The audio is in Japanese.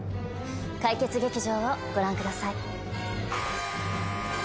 解決劇場をご覧ください。